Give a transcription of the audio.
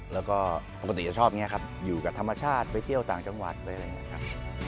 แล้วก็ปกติจะชอบอย่างนี้ครับอยู่กับธรรมชาติไปเที่ยวต่างจังหวัดไปอะไรอย่างนี้ครับ